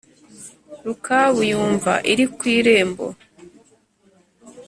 Rukabu yumva iri ku irembo